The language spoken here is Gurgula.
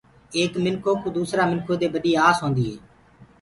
ايڪ منکو ڪُو دوسرآ منکو دي ٻڏي آس هوندي هي۔